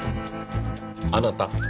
あなた。